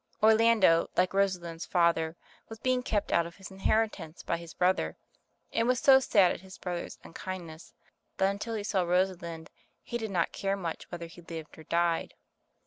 Orlando, like Rosalind's father, was beinor kept out of his inheri tance by his brother, and was so sad at his brother's unkindness that until he saw Rosalind, he did not care much whether he lived or died.